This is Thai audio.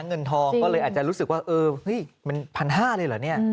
เงินทองก็เลยอาจจะรู้สึกว่าเออเฮ้ยมัน๑๕๐๐เลยเหรอเนี่ย